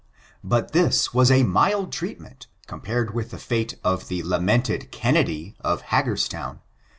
But this was a mild treatment compared with the fate of the lamented Kennedy, of Hagerstown.